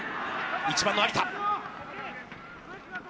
１番の有田。